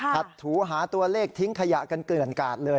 ถัดถูหาตัวเลขทิ้งขยะกันเกินกัดเลย